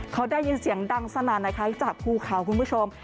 เขาได้ยินเสียงดังสนานจากผู้ข่าวคุณผู้ชม